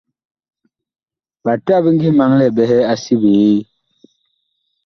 Ɓata bi ngi maŋlɛɛ ɓɛhɛ a si biee.